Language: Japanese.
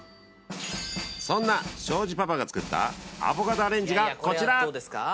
そんな庄司パパが作ったアボカドアレンジがこちら！